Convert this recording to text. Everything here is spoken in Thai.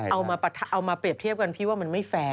เอามาเปรียบเทียบกันพี่ว่ามันไม่แฟร์